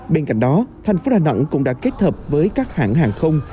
bên cạnh đó thành phố đà nẵng cũng đã kết hợp với các hãng hàng không